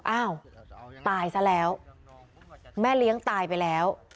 อ้าวตายซะแล้วแม่เลี้ยงตายไปแล้ว